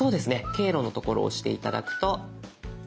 「経路」のところを押して頂くと。